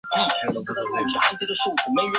郝氏鼠耳蝠为蝙蝠科鼠耳蝠属的动物。